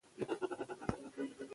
کتابونه او مقالې ولولئ.